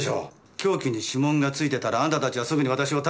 凶器に指紋がついてたらあんたたちはすぐに私を逮捕する。